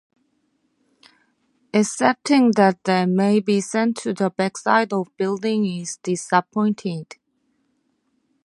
Accepting that they may be sent to the backside of buildings is disappointing.